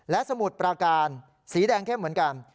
และสมุทรปราการสีแดงเข้มเหมือนกัน